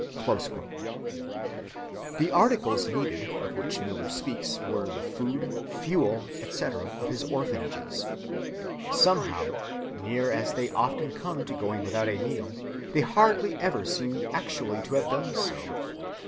The articles needed of which Müller speaks were the food, fuel, etc., of his orphanages. Somehow, near as they often come to going without a meal, they hardly ever seem actually to have done so.